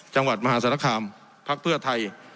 จังหวัดมหาศาลคามพักเพื่อไทย